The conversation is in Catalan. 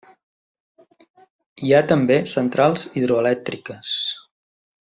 Hi ha també centrals hidroelèctriques.